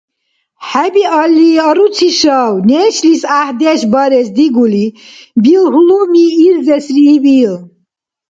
– ХӀебиалли… аруцишав? – нешлис гӀяхӀдеш барес дигули, билгьлуми ирзесрииб ил.